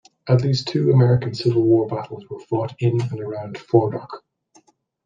At least two American Civil War battles were fought in and around Fordoche.